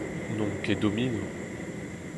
N'omp ket domino.